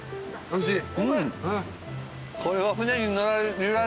おいしい！